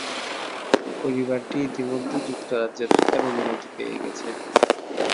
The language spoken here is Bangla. পরিবারটি ইতিমধ্যে যুক্তরাজ্যে থাকার অনুমতি পেয়ে গেছে।